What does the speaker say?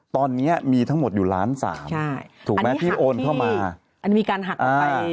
ตอนนี้มีทั้งหมดอยู่ล้านสามถูกไหมที่โอนเข้ามาใช่อันนี้หักที่อันนี้มีการหักไป